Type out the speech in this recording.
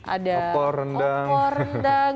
ada opor rendang